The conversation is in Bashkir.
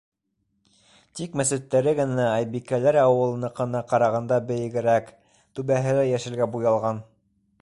Тик мәсеттәре генә Айбикәләр ауылыныҡына ҡарағанда бейегерәк, түбәһе лә йәшелгә буялған.